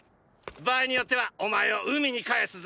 場合によってはお前を海に還すぞ。